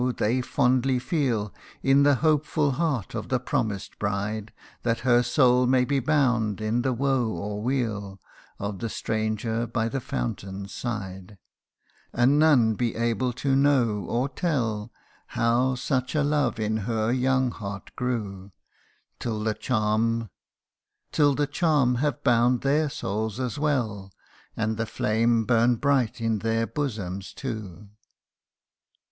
they fondly feel, In the hopeful heart of the promised bride, That her soul may be bound in the woe or weal Of the stranger by the fountain's side : And none be able to know, or tell, How such a love in her young heart grew 138 THE UNDYING ONE. Till the charm have bound their souls as well, And the flame burn bright in their bosoms too.